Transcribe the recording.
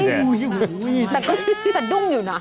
แต่ก็รึเปล่าที่ดุ้งอยู่นะ